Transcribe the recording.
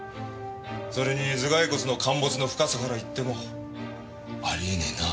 それに頭蓋骨の陥没の深さからいってもあり得ねえな。